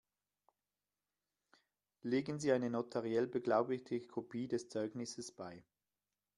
Legen Sie eine notariell beglaubigte Kopie des Zeugnisses bei.